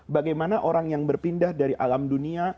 bagaimana orang yang berpindah dari alam dunia